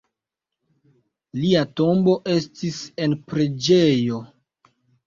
Lia tombo estis en preĝejo.